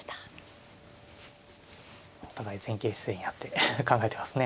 お互い前傾姿勢になって考えてますね。